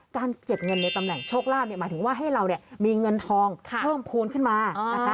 การเก็บเงินในตำแหน่งโชคลาภหมายถึงว่าให้เรามีเงินทองเพิ่มภูมิขึ้นมานะคะ